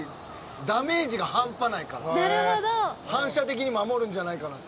ダメージが半端ないから反射的に守るんじゃないかなって。